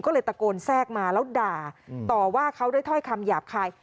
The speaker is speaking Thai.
ก็เลยตะโกนแทรกมาแล้วด่าต่อว่าเขาด้วยถ้อยคำหยาบคาย